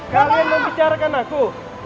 kalian membicarakan aku